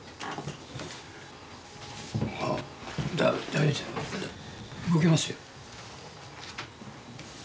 大丈夫動けますよ。